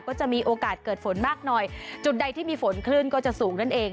ก็จะมีโอกาสเกิดฝนมากหน่อยจุดใดที่มีฝนคลื่นก็จะสูงนั่นเอง